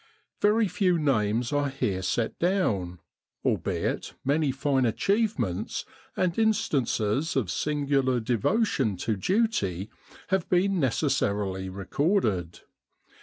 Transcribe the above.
Very few names are here set down, albeit many fine achievements and instances of singular devotion to duty have been necessarily recorded.